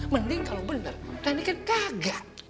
mending kalau bener tani kan gagak